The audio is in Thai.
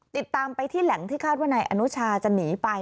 ติดตามไปที่แหล่งที่คาดว่านายอนุชาจะหนีไป